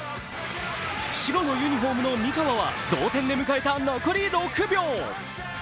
白のユニフォームの三河は同点で迎えた残り６秒。